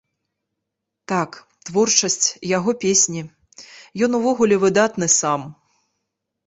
Так, творчасць, яго песні, ён увогуле выдатны сам!